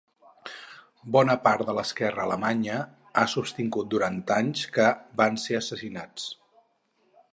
Bona part de l’esquerra alemanya ha sostingut durant anys que van ser assassinats.